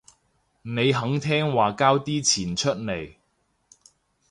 你肯聽話交啲錢出嚟